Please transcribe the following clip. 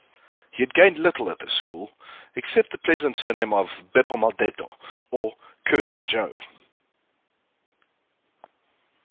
He had gained little at this school, except the pleasant surname of Beppo Maldetto (or cursed Joe.)